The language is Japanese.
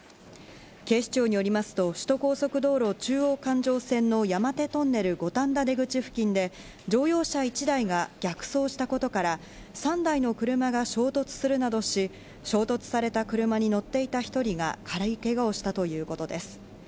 警視庁によりますと首都高速道路・中央環状線の山手トンネル五反田出口付近で乗用車１台が逆走したことから、３台の車が衝突するなどし、衝突された車に乗っていた１人が軽いけがをしたということです。